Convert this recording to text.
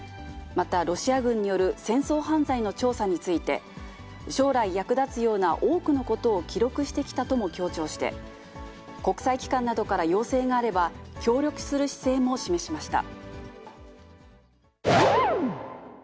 また、ロシア軍による戦争犯罪の調査について、将来役立つような多くのことを記録してきたとも強調して、国際機関などから要請があれば、協力する姿勢も示しました。